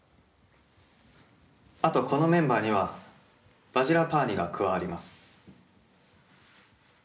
あとこのメンバーにはヴァジラパーニが加わります。